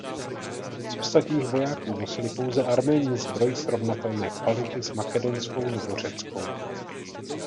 Z ostatních vojáků nosili pouze Arméni zbroj srovnatelné kvality s makedonskou nebo řeckou.